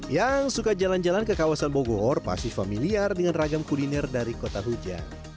yang suka jalan jalan ke kawasan bogor pasti familiar dengan ragam kuliner dari kota hujan